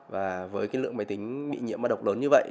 và với cái lượng máy tính bị nhiễm mã độc lớn như vậy